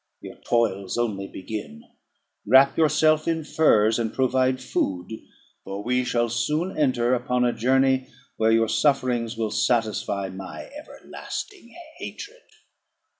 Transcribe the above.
your toils only begin: wrap yourself in furs, and provide food; for we shall soon enter upon a journey where your sufferings will satisfy my everlasting hatred."